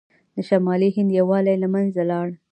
د شمالي هند یووالی له منځه لاړ.